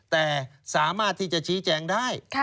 แต่สามารถที่จะชี้แจงได้